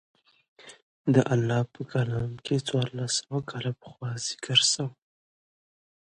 د الله په کلام کښې څوارلس سوه کاله پخوا ذکر سوي وو.